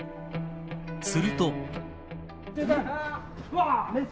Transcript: すると。